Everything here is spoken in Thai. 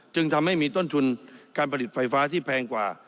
จึงทำให้มีต้นทุนการผลิตไฟฟ้าที่แพงกว่า